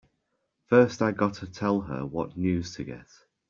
First I gotta tell her what news to get!